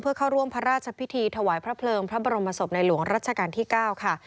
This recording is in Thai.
เพื่อเข้าร่วมพระราชพิธีถวายพระเพลิงพระบรมศพในหลวงรัชกาลที่๙ค่ะ